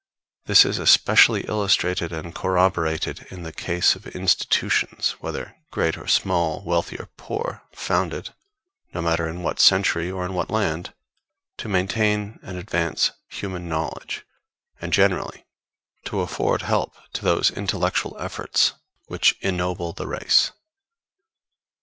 This is especially illustrated and corroborated in the case of institutions whether great or small, wealthy or poor, founded, no matter in what century or in what land, to maintain and advance human knowledge, and generally to afford help to those intellectual efforts which ennoble the race.